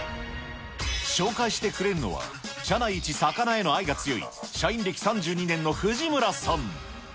紹介してくれるのは社内イチ魚への愛が強い社員歴３２年の藤村さ